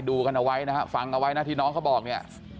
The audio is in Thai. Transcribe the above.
ดูกันเอาไว้นะฮะฟังเอาไว้นะที่น้องเขาบอกเนี่ย